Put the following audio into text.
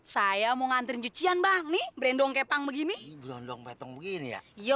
saya mau nganterin cucian bang nih brendong kepang begini gondong petong begini ya iya